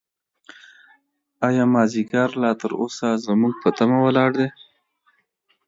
ایا مازیګر لا تر اوسه زموږ په تمه ولاړ دی؟